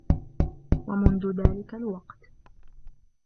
ومنذ ذلك الوقت